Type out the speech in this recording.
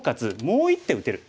もう１手打てる。